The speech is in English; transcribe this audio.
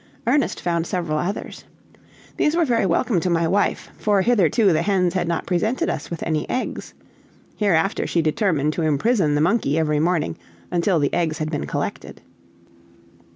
Ernest found several others. These were very welcome to my wife, for hitherto the hens had not presented us with any eggs. Hereafter she determined to imprison the monkey every morning until the eggs had been collected.